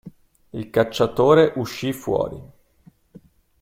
Il cacciatore uscì fuori.